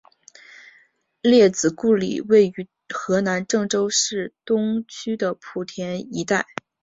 列子故里位于河南郑州市东区的圃田一带。